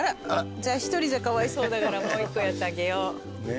じゃあ１人じゃかわいそうだからもう１個やってあげよう。